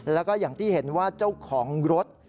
แล้วก็อย่างที่เห็นว่าเจ้าของรถ